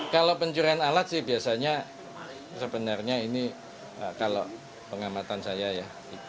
kalau pencurian alat sih biasanya sebenarnya ini kalau pengamatan saya ya